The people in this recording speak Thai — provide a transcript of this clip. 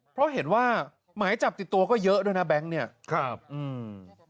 เพราะเห็นว่าหมายจับติดตัวก็เยอะด้วยนะแบงค์เนี้ยครับอืม